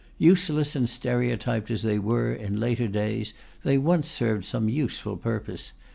Useless and stereotyped as they were in later days, they once served some useful purpose.